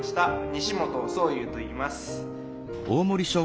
西本想侑といいます。